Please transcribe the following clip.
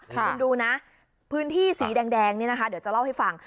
คุณดูนะพื้นที่สีแดงนี่นะคะเดี๋ยวจะเล่าให้ฟัง